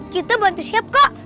kita bantu siap kok